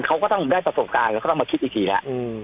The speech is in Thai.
เขาก็ต้องได้ประสบการณ์เราก็ต้องมาคิดอีกทีแล้ว